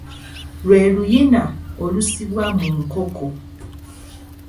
Lwe luyina olusibwa mu nkoko.